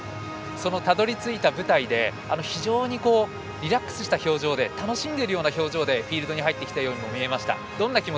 そのたどり着いた舞台で非常にリラックスした表情で楽しんでいるような表情でフィールドに入ってきたように見えました。